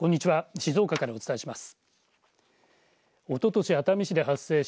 静岡からお伝えします。